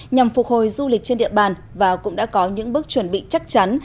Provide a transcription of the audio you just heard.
nhằm phục hồi du lịch trên địa bàn và cũng đã có những bước chuẩn bị chắc chắn